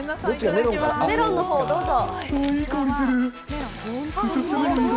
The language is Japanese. メロンのほうをどうぞ。